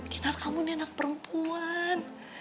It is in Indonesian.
kenal kamu ini anak perempuan